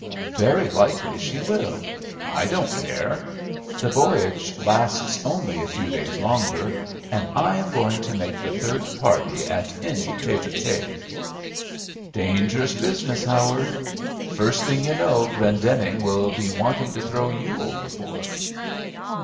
"Very likely she will; I don't care. The voyage lasts only a few days longer, and I am going to make the third party at any tête à tête." "Dangerous business, Howard; first thing, you know, Glendenning will be wanting to throw you overboard."